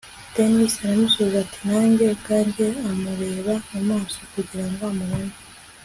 dennis aramusubiza ati nanjye ubwanjye, amureba mu maso kugira ngo amubone